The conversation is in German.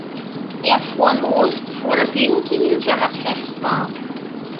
Er fuhr los bevor das linke Hinterrad fest war.